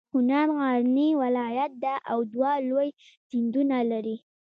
کنړ غرنی ولایت ده او دوه لوی سیندونه لري.